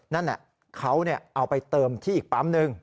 นั่นแหละเขาเอาไปเติมที่อีกปั๊มหนึ่ง